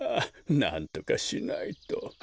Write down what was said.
なんとかしないと。